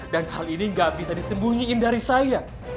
dan hal ini gak bisa disembunyiin dari saya